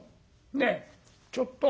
ねえちょっと。